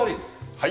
はい。